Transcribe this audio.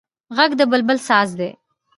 غږ د بلبل ساز دی